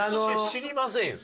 知りませんよ